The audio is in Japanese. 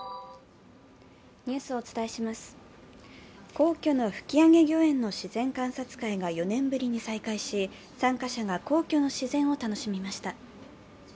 皇居の吹上御苑の自然観察会が４年ぶりに再開し、参加者が皇居の自然を楽しみました。